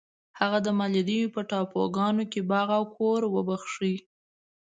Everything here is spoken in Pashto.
هغه د مالدیو په ټاپوګانو کې باغ او کور وبخښی.